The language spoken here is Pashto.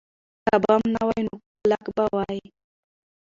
که بم نه وای، نو کلک به وای.